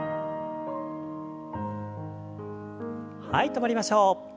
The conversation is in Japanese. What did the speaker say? はい止まりましょう。